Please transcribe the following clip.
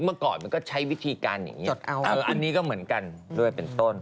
เมื่อก่อนมันก็ใช้วิธีการอย่างนี้อันนี้ก็เหมือนกันด้วยเป็นต้น